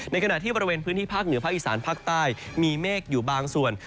ขณะที่บริเวณพื้นที่ภาคเหนือภาคอีสานภาคใต้มีเมฆอยู่บางส่วน